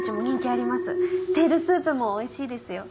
テールスープもおいしいですよ。